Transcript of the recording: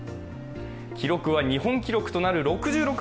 記録は日本記録となる６６ｍ！